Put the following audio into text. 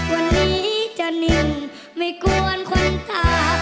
วันนี้จะนิ่งไม่ควรคนตา